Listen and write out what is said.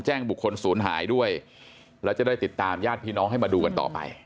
บุคคลศูนย์หายด้วยแล้วจะได้ติดตามญาติพี่น้องให้มาดูกันต่อไป